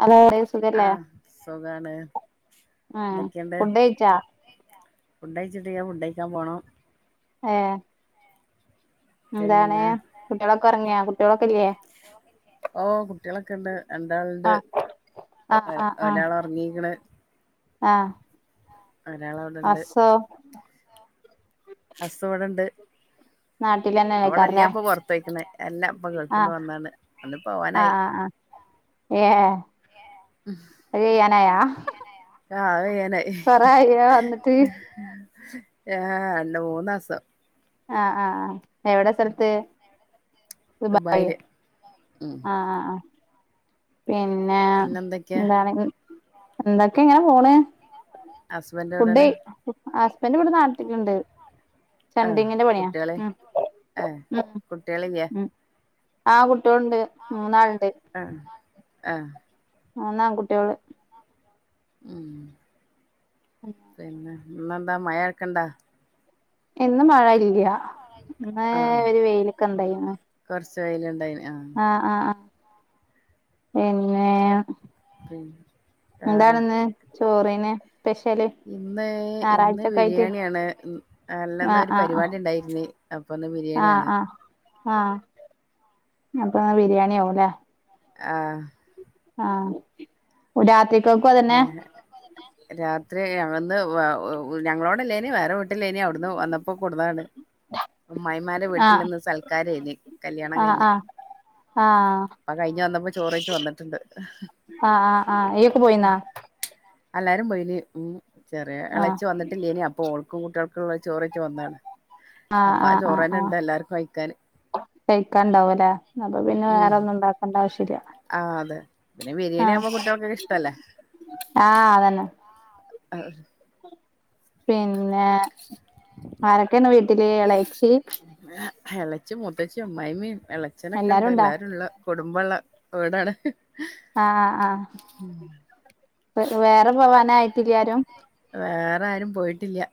Hello [unintelligible] സുഖല്ലേ ആഹ് സുഖാണ് ആഹ് എന്തൊക്കെയുണ്ട് ഫുഡ് കഴിച്ചാ ഫുഡ് കഴിച്ചിട്ടില്ല ഫുഡ് കഴിക്കാൻ പോണം ഏഹ് എന്താണ് പിന്നെ കുട്ടികളൊക്കെ ഉറങ്ങിയാ കുട്ടികളൊക്കെ ഇല്ലേ ഓഹ് കുട്ടികളൊക്കെ ഇണ്ട് രണ്ടാളിണ്ട് ആഹ് ആഹ് ഒ ആഹ് ആഹ് ഒരാള് ഒറങ്ങിരിക്കണ് ആഹ് ഒരാള് അവിടെണ്ട് ഹസ്സോ ഹസ്സ് ഇവിടെണ്ട് നാട്ടിൽ തന്നെ ഇപ്പ ഇവിടെല്ല നിക്കാറില്ലേ ഇപ്പൊ പുറത്ത് പോയിക്കണ് എല്ലാം ഇപ്പൊ ഗൾഫിന്ന് ആഹ് വന്നാണ് ഒന്ന് പോവാനായി ആഹ് ആഹ് ആഹ് ഏഹ് അത് ചെയ്യാനായാ ആകെ കൊറേ ആയോ വന്നിട്ട് ഏഹ് രണ്ട് മൂന്നസം ആഹ് ആഹ് ആഹ് എവിടെ സ്ഥലത്ത് ദുബായിയാ ദുബായില് ഉം ആഹ് ആഹ് ആഹ് പിന്നെ പിന്നെന്തൊക്കെയാ എന്താണ് എന്തൊക്കെ ഇങ്ങനെ പോണ് ഹസ്ബൻഡ് ഫുഡ് എവിടേണ് ഹസ്ബൻഡ് ഇവിടെ നാട്ടിലെണ്ട് ആഹ് ചണ്ടിങ്ങിന്റെ പണിയാ കുട്ടികള് ഉം ആഹ് ഉം കുട്ടികളില്ലേ ഉം ആഹ് കുട്ട്യോളിണ്ട് മൂന്നാളിണ്ട് ആഹ് ആഹ് മൂന്നാൺകുട്ട്യോള് ഉം ഉം പിന്നെ ഇന്നെന്താ മഴേക്കെണ്ട ഇന്ന് മഴ ഇല്ല്യ ഇന്ന് ഒരു വെയിലൊക്കെ ഇണ്ടായിരുന്നു. കൊറച്ചു വെയിലിണ്ടായിന് ആഹ് ആഹ് ആഹ് ആഹ് പിന്നേ ഉം എന്താണിന്ന് ചോറിന് സ്പെഷ്യല് ഇന്ന് ഇന്ന് ഞായറാഴ്ചൊക്കെ ആയിട്ട് ബിരിയാണിയാണ് ഇം അല്ലെന്ന് ആഹ് ഒരു ആഹ് ആഹ് പരിപാടി ഉണ്ടായിരുന്നു അപ്പൊ ഇന്ന് ആഹ് ബിരിയാണിയാണ് ആഹ് ആഹ് അപ്പോ ആ ബിരിയാണി ആവും അല്ലേ ആഹ് ആഹ് രാത്രിയക്കും അതെ ആഹ് രാത്രി അന്ന് ഞങ്ങളോടല്ലേനി വേറെ വി പട്ടില്ലേനി അവിടുന്ന് വന്നപ്പോ കൂടുന്നാണ് അമ്മായിമാരെ വീട്ടിൽ ആഹ് ഇന്ന് സൽക്കാരായിന് കല്യാണം ആഹ് കഴിഞ്ഞ ആഹ് ആഹ് ആ കഴിഞ്ഞ വന്നപ്പോ ചോറേക്ക് വന്നിട്ടുണ്ട് ആഹ് ആഹ് ആഹ് ഇയ്യൊക്കെ പോയിന്നാ എല്ലാരും പോയിന് ഉമ് ചെറിയ ആഹ് ഇളച്ചു വന്നി കട്ടി ല്ലേനി അപ്പൊ ഓൾക്കും കുട്ടികൾക്കും ള്ള ചോറയ് റ്റ് വന്നാണ് ആഹ് അപ്പൊ ആ ചോറ് ന്നെ ഇണ്ട് എല്ലാർക്കും കഴിക്കാന് കഴിക്കാണ്ടാവും ല്ലേ അപ്പൊ പിന്നെ ഉം വേറെ ഒന്നും ഉണ്ടാക്കേണ്ട ആവശ്യല്ല ആ അതെ പിന്നെ ബിരിയാണി ആഹ് ആകുമ്പോ കുട്ട്യാക്കൊക്കെ ഇഷ്ടല്ലേ ആഹ് അതന്നെ ആഹ് പിന്നെ ആരൊക്കെന്നെ വീട്ടില് ഇളച്ചി ഇളച്ചി മുത്തച്ചും അമ്മായിമ്മീ ഇളച്ചനൊക്കെ ഇണ്ട് എല്ലാരും ള്ള കുടുംബള്ള വിടാണ് ആഹ് ആഹ് പക്ഷേ വേറെ പോവാന ആയിട്ടില്ലാരും വേറെ ആരും പോയിട്ടില്ല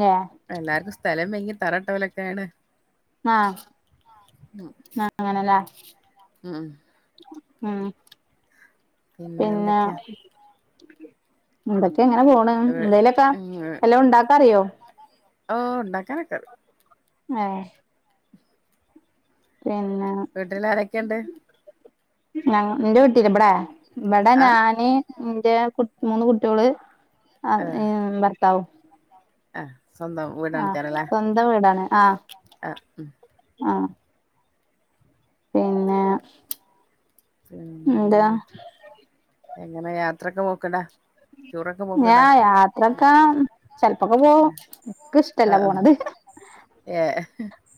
യാഹ് എല്ലാവർക്കും സ്ഥലം ഭയങ്ങി തറട്ടവലൊക്കെയാണ് ആഹ് ആഹ് അങ്ങനെല്ലേ ആഹ് ആഹ് പിന്നെ എടൊക്കെ എങ്ങനെ പോണ് എന്തേലൊക്കെ എല്ലാം ഉണ്ടാക്കാ അറിയോ ഓഹ് ഉണ്ടകനകെ അറിയാം ആഹ് [unintelligible] വീട്ടിൽ ആരൊക്കെയുണ്ട് ഞ എന്റെ വീട്ടീ ഇവിടെ ഇവിടെ ആ ഞാന് ഇന്റെ കു മൂന്ന് കുട്ട്യാള് ആഹ് ഭർത്താവും ആഹ് സ്വന്തം ആഹ് സ്വന്തം വീടാണ് ആഹ് ആഹ് ഉമ് ആഹ് പിന്നെ എന്താ പിന്നെന്താ എങ്ങനെ യാത്രയൊക്കെ നോക്കണ്ട ഞാ യാത്രൊക്കാ ചെലപ്പൊക്കെ പോക എക്ക ആ ഇഷ്ടല്ല പോണത് ഏ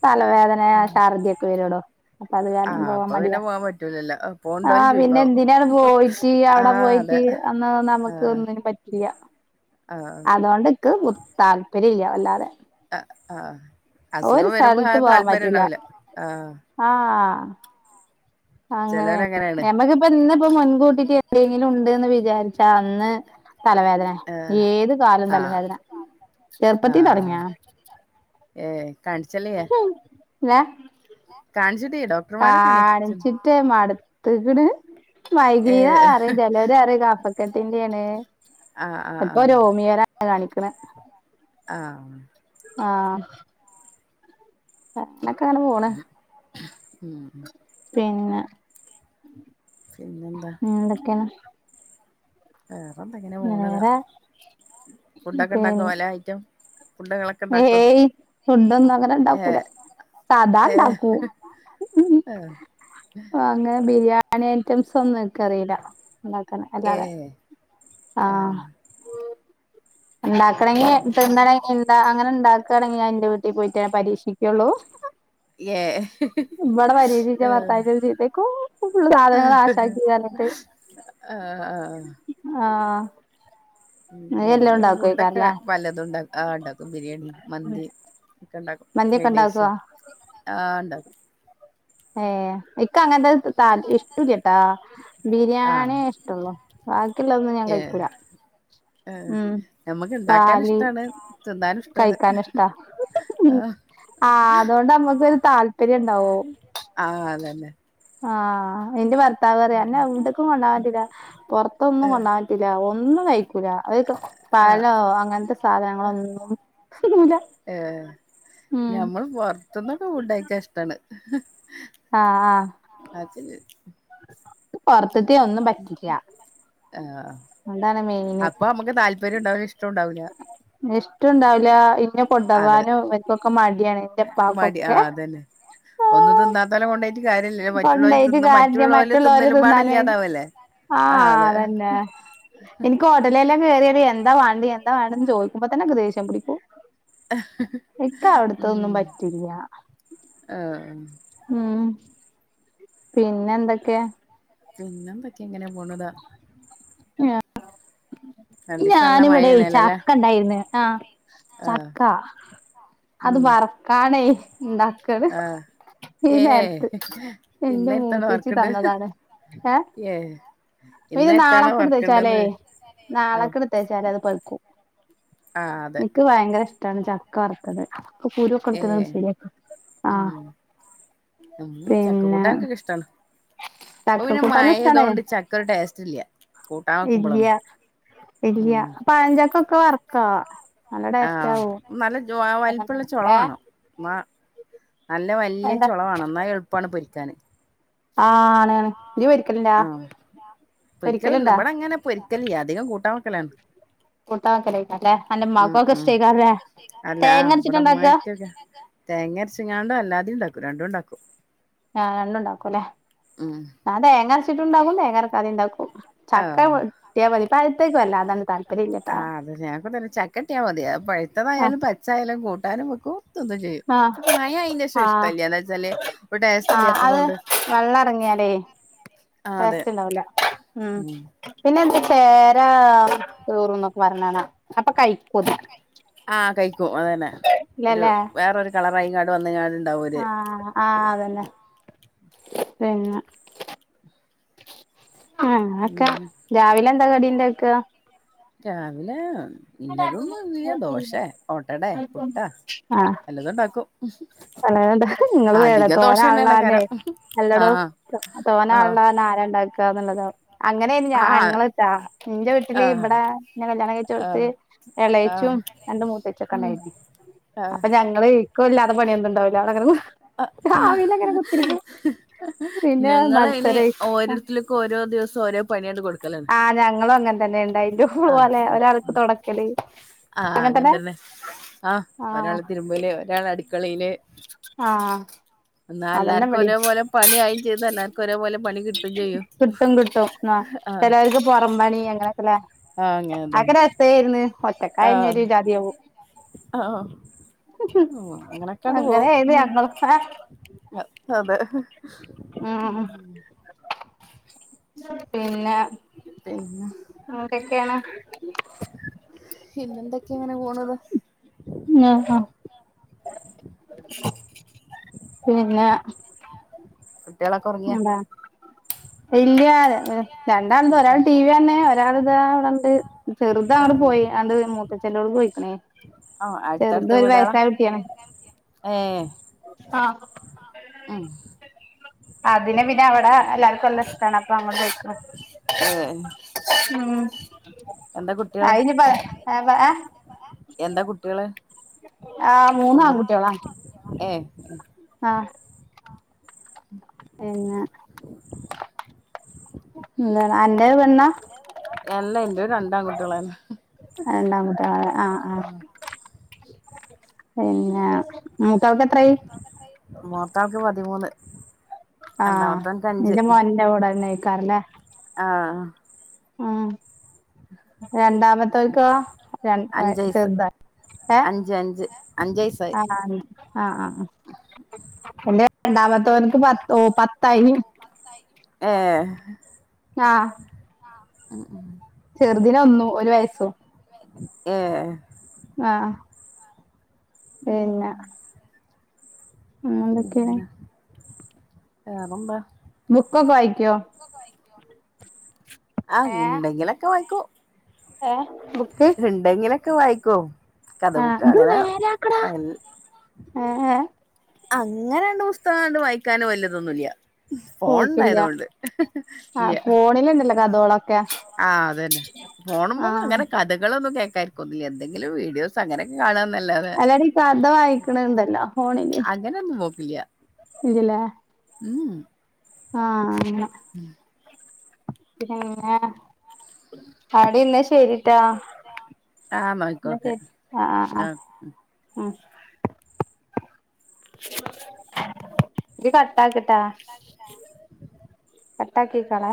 തലവേദന ശരദിയൊക്കെ വരുടോ അപ്പൊ അത് ആ വേദന പോവാൻ അപ്പൊ പിന്നെ മടിയാ [unintelligible] ആഹ് പിന്നെ ചോയിപ്പാവും എന്തിനാണ് പോയിട്ട് ആ അവിടെ അതെ പോയിട്ട് അന്ന് ആ നമക്ക് ഒന്നന് പറ്റ ഇല്ല ആ അതൊണ്ട് ക്ക് താല്പര്യം ഇല്ല വല്ലാതെ അഹ് ആഹ് ഒരു അസുഖം വരുമ്പോ സ്ഥലത്ത് ആഹ് പോവാൻ താല്പര്യം പറ്റൂല ഉണ്ടാവില്ല ആഹ് ആഹ് അങ്ങനെയ ചെലോല് അങ്ങനെയാണ് നഞമക്ക് ഇപ്പ ഇന്നിപ്പോ മുൻകൂട്ടിട്ട് എന്തെങ്കിലും ഉണ്ടന്ന് വിചാരിച്ചാൽ അന്ന് തലവേദന ആ ഏത് കാലം ആ തല വേദന ചെറുപ്പത്തി തുടങ്ങിയാ ഏഹ് കടചലിയ [unintelligible] കാണിച്ചിട്ട ആഹ് അലോച്ചിട്ടേ മട്ത്ത്ക്ക്ണ്. ഏ മൈഗ്രീനാറയും ചിലോരറയും കാഫക്കെട്ടിന്റെണ് ആഹ് ആഹ് ആഹ്. കാണിക്കണ് ആഹ്. ആഹ്. റ്റിണക്കങ്ങനെ പോണ് ഉം പിന്നെ പിന്നെന്താ പിന്നെന്തൊക്കേണ് വേറെന്തങ്ങനെ പോണിതാ വേറെ ഫുഡൊക്കെണ്ടാക്കോ പലേ ഐറ്റം ഫുഡോക്കേ? ഹേയ് ഫുഡോന്നൊങ്ങനെ ഏ ണ്ടാക്കൂല ഏ സാധാണ്ടാക്കും. ആ ആഹ് അങ്ങനെ ബിരിയാണി ഐറ്റംസൊന്നും ക്കറീല്ല. ല്ലാത്തന്നെ ഏ അല്ലാതെ ആഹ് ഇണ്ടാക്കണങ്കി തിന്നണങ്കിന്താ അങ്ങനെണ്ടാക്കാണെങ്കി ഞാൻ ന്റെ വീട്ടി പോയിട്ടാണ് പരീക്ഷിക്കൊള്ളൂ. ഏ ഇബടെ പരീക്ഷിച്ച ആഹ് [unintelligible] പെയ്‌ക്കോ ഫുള്ള് സാധനങ്ങള് നാശാക്കീയർഞ്ഞിട്ട് ആഹ് ആഹ് ആഹ്. ഉം, നീ ഞങ്ങള്‌ എല്ലാം പിന്നെ ഫുഡൊക്കെ ഉണ്ടാക്കുവേക്കാരല്ലേ പലതുംണ്ടാ ആഹ് ഇണ്ടാക്കും ബിരിയാണി, മന്തി ക്കെണ്ടാക്കും മന്തിയൊക്കെ ഉണ്ടാക്കുവോ ഫ്രൈഡൈസും മന്തിയൊക്കെണ്ടാക്കും ആഹ് ണ്ടാക്കും. ഏഹ് ഇക്കങ്ങത്തെ താല്പര്യ ല്ല്യട്ടാ ആഹ് ബിരിയാണിയഷ്ടള്ളൂ ബാക്കിയുള്ളതൊന്നും ഞാൻ ഏ കഴിക്കൂല. ആഹ് ഉം ഞമ്മക്ക് പാല് ഇണ്ടാക്കാനുഷ്ടാണ് തിന്നാനുംഷ്ടാണ്. കഴിക്കാൻ ഇഷ്ടാ ആഹ് അതോണ്ടമ്മക്കൊരു താല്പര്യണ്ടാവും. ആഹ് അതന്നെ. ആഹ് ഇന്റെ ഭർത്താവറയ അന്നെവ്ട്ക്കും കൊണ്ടാവാ പറ്റൂല്ല പൊറത്തൊന്നും കൊണ്ടാ ക്കൂല്ലാ ഒന്നും കയ്ക്കു ക്കൂല്ല അവരിക്ക് ആഹ് പഴോ അങ്ങൻത്തെ സാധനങ്ങളൊന്നും തിന്നൂല്ല [unintelligible] [unintelligible] അത് ബോർ ത്തിന്നൊക്കെ ഫുഡ് കഴിക്കാൻ ഇഷ്ടാണ്. ആഹ് ആഹ്. ആഹ് അത് ക്ക് പൊർത്തിതീം ഒന്നും പറ്റില്ല. ആഹ്. ഇന്നെന്താണ് മെയിന്? ക്ക് താൽപര്യോംണ്ടാവൂല്ല ഇഷ്ട്ടോണ്ടാവൂല്ല. ഇഷ്ട്ടോണ്ടാവൂല്ല ഇന്നെ അതെ കൊണ്ടോവാനും ഇവര്ക്കൊക്കെ മടിയാണ് ഇന്റെപ്പാക്കൊക്കെ. ഒന്നും തിന്നാത്തോലെ കൊണ്ടോയിട്ട് കാര്യല്ലല്ലോ? മറ്റുള്ളോല് കൊണ്ടോയിട്ട് തിന്നും കാര്യല്ല മറ്റുള്ളോലെ മറ്റുള്ളോര് തിന്നലുംപാടെ തിന്നാനും ഇല്ലാണ്ടാവല്ലേ? ആഹ് അതെ ആഹ് [inaudible] ഇൻക്ക് ഹോട്ടലെല്ലാം കേറിയാല് എന്താവാണ്ട് എന്താവാണ്ട്ന്ന് ചോദിക്കുമ്പോ തന്നെ ഇക്ക് ദേഷ്യം പിടിക്കും. ഉം ഇക്കവിടത്തതൊന്നും പറ്റില്ല ആഹ് ഉം പിന്നെന്തൊക്കെ? പിന്നെന്തൊക്കെ ഇങ്ങനെപോണൂതാ. ആഹ്. രണ്ടീസം നല്ല ഞാനിവിടെയ് മഴയാണല്ലോല്ലേ ചക്കണ്ടായിന്ന് ആഹ് ആഹ് ചക്ക അത് ഉം വറ്ക്കാനേ ഇണ്ടാക്കണ്. ആഹ് ഈ ഏഹ് നേരത്ത് ഇന്റെ ഇന്നേരത്താണ് മൂത്തേച്ചി വർക്ക്ണ്ട് തന്നതാണ് ഏഹ് ഇപ്പൊയിത് ഇന്നേരത്താണ് നാളക്ക് എടുത്തുവെച്ചാല് വർക്ക്ണ്ടെന്ന് ആഹ് നാളേക്ക് എടുത്തു വച്ചാല് അത് പഴ്ക്കും. ആഹ് അത് എനിക്ക് ഭയങ്കര ഇഷ്ടമാണ് ചക്ക- വറുത്തത് കുരുയൊക്കെ എടുത്തത് ഏഹ് ശരിയാക്കി ഉം ആഹ് ഉം പിന്നെ ചക്കകൂട്ടാനോക്കെ ഇൻക് ഇഷ്ടാണ് ഇപ്പൊ ചക്ക പിന്നെ മഴ കൂട്ടാനും ഇഷ്ടാണ് പെയ്തോണ്ട് ചക്ക ടേസ്റ്റ് ഇല്ല്യ കൂട്ടാൻ വെക്കുമ്പോളൊന്നും ഇല്യ പഴചക്കഞ്ചക്കൊക്കെ വർക്കുവോ നല്ല ടേസ്റ്റ് ആഹ് ആവും നല്ല വലിപ്പയുള്ള ചൊളവ വേണം മ നല്ല വലിയ എന്താ ചോളവാണം എന്നാലേ അവൾക്ക് - എളുപ്പവാണ് പൊരിക്കാന് ആഹഹ് ആണ് ആണ് നീ പൊരികലിണ്ടോ ആഹ് പൊരിക്കലുണ്ട് ഇവിടെ അങ്ങനെ പൊരിക്കലില്ല അധികം കൂട്ടാൻ വക്കലാണ് കുട്ടാൻ വെക്കലായിട്ട്ല്ലേ അന്റെ ഇമ്മാക്ക് ഉം ഒക്കെ ഉം ഇഷ്ട്ടെക്കാരംല്ലേ തേങ്ങ അരച്ചിട്ടായുണ്ടാക്ക അ [unintelligible] തേങ്ങ അരച്ചിങ്ങാണണ്ട് അല്ലാതെ ഇണ്ടാക്കും രണ്ടും ഇണ്ടാക്കും ആഹ് രണ്ടുംയിണ്ടാക്കും ല്ലേ ഉം അത് തേങ്ങ അരച്ചീട്ടുംണ്ടാക്കും തേങ്ങ അരക്കാതേണ്ടാക്കും ചക്ക ആഹ് കിട്ടിയാ മതി പഴുത്ത ചക്ക വല്ലാതെ അങ്ങ് താൽ- ആഹ് അതെ ഞങ്ങക്ക് എന്ന് പറഞ്ഞാ ചക്ക കിട്ടിയാ മതി ആഹ് പഴുത്തതായാലും പച്ചായാലും കൂട്ടാനും വെക്കും- തിന്നുംചെയ്യും ആഹ് ഇപ്പം മയ ആയെന്നു ശേഷം ആഹ് ഇഷ്ടമല്ല എന്നാ വെച്ചാല് ഒരു ടേസ്റ്റ് ആഹ് അത് ഇല്ലാത്തതോണ്ട് വെള്ളം ഇറങ്ങിയാലേ ആഹ് അതെ ടേസ്റ്റ് ഇണ്ടാവൂല ഉം പിന്നെ എന്താ ചേരാ കേറുംന്നൊക്കെ പറയ്ണ കാണാം അപ്പൊ കൈയ്ക്കും അത് ആഹ് കൈയ്ക്കും അത് തന്നെ ഒരു ഇല്ലല്ലേ വേരോരു കളറായിങ്ങാട്ട് വന്ന്ങ്ങാണ്ട് ഉണ്ടാവും ഒര - ആഹ് ആഹ് തന്നെ പിന്നെ- ആഹ് ക പിന്നെ രാവിലെ എന്താ കടിയിണ്ടാക്കാ രാവിലെ ആഹ് ഇന്നത് ന്ന് പറഞ് കഴിഞ്ഞാൽ ദോശേ ഓട്ടടെ പുട്ടോ ആഹ് വല്ലതുംണ്ടാക്കും പലതുണ്ട് അധികം ദോശ തന്നെയാണ് ഹരം അല്ലെടോ തോനെ ആൾണ്ടാവാൻ ആരാ ഇണ്ടാക്കുക എന്നുള്ളതാവും അങ്ങനെ ഞ ആഹ് ഞങ്ങൾട്ടോ ഇന്റെ വീട്ടില് ആഹ് ഇവിടെ എന്നെ കല്യാണം കഴിചോട്ത്ത്- ആഹ് എളയേച്ചും രണ്ട് മൂത്ത ചേച്ചി ഒക്കെ ഉണ്ടായിരുന്നു ആഹാ നിങ്ങള് ഇക്കോ ഇല്ലാതെ പണിയൊന്നും ഇണ്ടാവില്ല രാവിലെ ഇങ്ങനെ കുത്തിരിക്കും പിന്നെ മത്സര- വീട്ടിലൊക്കെ ഓരോ ദിവസം ഓരോ പണി അങ്ങട്ട് കൊടു- ആഹ് ഞങ്ങളും അങ്ങനെ തന്നെ ഇണ്ടായിണ്ടു പോലെ ഒരാൾക്ക് തോടക്കല് ആഹ അങ്ങനെ തന്നെ ആഹ് ഒരാള് തിരുമ്പല് ഒരാള് അടുക്കളയില് ആഹ് എന്നാ അതന്നെ എല്ലാർക്കും ഇവടിം ഒരേപോലെ പണിയായും ചെയ്ത് എല്ലാർക്കും ഒരേപോലെ പണി കിട്ടും ചെയ്യും കിട്ടോ ആഹ് എല്ലാർക്കും പൊറമ്പണി അങ്ങനെയൊക്കെല്ലേ ആഹ് അങ്ങനെ അഹ് ഒക്കെ തന്നെ രസവായിരുന്നു ഒറ്റക്കായ ഇഞ്ഞ് ആഹ് ഒര് ജാതിയാവും ആഹ് ഇങ്ങനൊക്കെണ്ട് അങ്ങനെയായിരുന്നു പോവും ഞങ്ങളൊക്കെ അതെ ഉം ഉം പിന്നെ പിന്നെ എന്തോക്കെയാ പിന്നെന്തൊക്കെയാ ഇങ്ങനെ പോണത് ആഹ് ആ ഹ് പിന്നെ- കുട്ടികളൊക്കെ ഒറങ്ങിയോ ഇല്ല്യ [unintelligible] രണ്ടാൾണ്ട് ഒരാൾ ടി വി കാണിന് ഒരാൾ ഇതാ ഇവിടെണ്ട് ചെറുതങ്ങട്ട് ആഹ് പോയി ആണ്ട് മൂത്തച്ചന്റ കൂടെ പോയി ആഹ് ചെറുത് ഒരു വയസായ കുട്ടിയാണ് അതേ ആഹ് ഉം അതിനെ പിന്നെ അവടെ എല്ലാർക്കും നല്ല ഇഷ്ടാണ് അപ്പൊ അങ്ങോട്ട് പോയിക്കണ് ഏ ഉം കുട്ടികള് ആയിന് [unintelligible] എന്താ കുട്ടികള് ആഹ് മൂന്ന് പെൺകു ആൺകുട്ടികളാ ഏ ആഹ് പിന്നെ എന്താണ് അന്റേത് പെണ്ണാ അല്ലാ എന്റെ രണ്ടാൺകുട്ടികളാണ് രണ്ടാൺകുട്ടികളാ ആഹ് ആഹ് പിന്നെ മൂത്തയാൾക്ക് എത്രയായി മൂത്തയാൾക്ക് പതിമൂന്ന് ആഹ് രണ്ടാമത്തോൻക്ക് അഞ്ച് എന്റെ മോനിന്റെ കൂടെന്നെയിക്കാറല്ലേ ആഹ് ആഹ് രണ്ടാമത്തെവക്കോ [unintelligible] ആണോ അഞ്ച് വയസ്സ് ആഹ് അഞ്ച് അഞ്ച് അഞ്ച് വയസ്സായി ആഹ് ആഹ് ആഹ് എൻ്റെ രണ്ടാമത്ത വനുക്ക് പത്ത ഓ പത്തായിന് ആഹ് ഉം ഉം ചെറുതിന് ഒന്നും ഒരു വയസും ഏ ആഹ് പിന്നെ എന്തൊക്കെയാണ് പിന്നേ വേറെന്താ ബുക്കൊക്കെ വായിക്കോ ആഹ് എന്തെങ്കിലൊക്കെ വായിക്കും ഏ ബുക്ക് ഇണ്ടെങ്കിലൊക്കെ വായിക്കും കഥ ആഹ് ബുക്ക് ഇത് അങ്ങനെ നേരെയാക്കട വൽ ഏ ഏ അങ്ങനാണ്ട് പുസ്തകണ്ട് വായിക്കാന് വല്ല്യ ഇതൊന്നുമില്ല്യ പോക്കില്ല ഫോണുണ്ടായതുകൊണ്ട് ആ ഇല്ല്യാ ഫോണിലുണ്ടല്ലോ [unintelligible] ആഹ് അതന്നെ ഫോണുമേ ആ അങ്ങനെ കഥകളൊന്നും കേ ക്കുവൊന്നുമില്ല്യാ എന്തെങ്കിലും വീഡിയോസ് അങ്ങനെയൊക്കെ കാണുവാന്നല്ലാതെ അല്ലാടി കഥ വായിക്കണുണ്ടല്ലോ ഫോണില് അതൊന്നും നോക്കില്ല ഇല്ലല്ലേ ഉം ആഹ് അങ്ങനെ ഉം പിന്നേ അവിടെ [unintelligible] എന്നാ ശരിട്ടാ ആ എന്നാ ഓക്കെ ഓക്കെ ആഹ് ആഹ് ഇത് കട്ടാക്കട്ടേ കട്ടാക്കിക്കോളേ